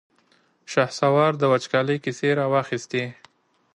شهسوار د وچکالۍ کيسې را واخيستې.